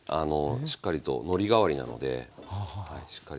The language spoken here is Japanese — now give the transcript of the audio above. しっかりとのり代わりなのでしっかりつくと思います。